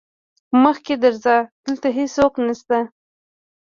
مخکې درځه دلته هيڅوک نشته.